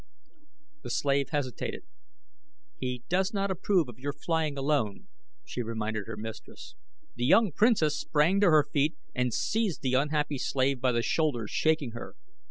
The slave hesitated. "He does not approve of your flying alone," she reminded her mistress. The young princess sprang to her feet and seized the unhappy slave by the shoulders, shaking her.